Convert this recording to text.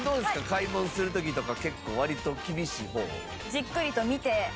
買い物する時とか結構割と厳しい方？